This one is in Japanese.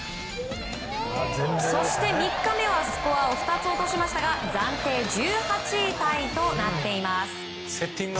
そして、３日目はスコアを２つ落としましたが暫定１８位タイとなっています。